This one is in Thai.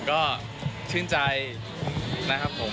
ก็ชื่นใจนะครับผม